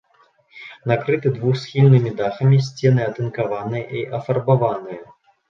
Накрыты двухсхільнымі дахамі, сцены атынкаваныя і афарбаваныя.